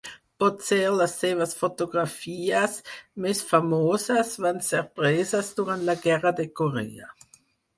Potser les seves fotografies més famoses van ser preses durant la guerra de Corea.